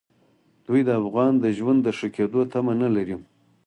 دوی د افغان د ژوند د ښه کېدو تمه نه لري.